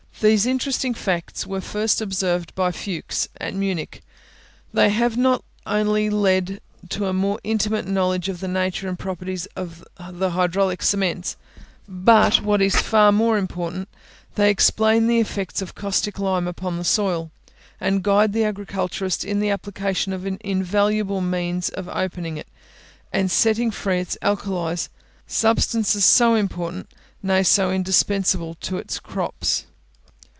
These interesting facts were first observed by Fuchs, at Munich: they have not only led to a more intimate knowledge of the nature and properties of the hydraulic cements, but, what is far more important, they explain the effects of caustic lime upon the soil, and guide the agriculturist in the application of an invaluable means of opening it, and setting free its alkalies substances so important, nay, so indispensable to his crops.